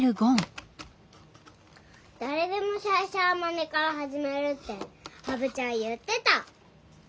「誰でも最初は真似から始める」って羽生ちゃん言ってた。